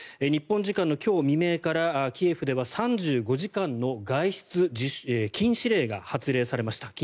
日本時間の今日未明からキエフでは３５時間の外出禁止令が発令されました。